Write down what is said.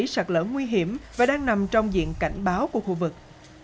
sạc lỡ nguy hiểm và đang nằm trong diện cảnh báo của khu vực